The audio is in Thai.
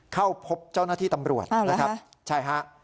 เข้าพบเจ้าหน้าที่ตำรวจ